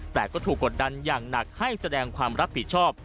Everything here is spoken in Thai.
แต่ก็ถูกกดดันอย่างหนักให้แสดงความรับผิดชอบ